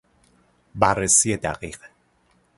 بررسی دقیق